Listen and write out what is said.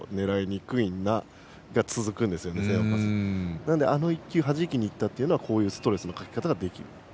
なので、あの１球をはじきにいったのはこういうストレスのかけ方ができる。